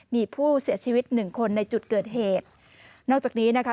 มีผู้เสียชีวิตหนึ่งคนในจุดเกิดเหตุนอกจากนี้นะคะ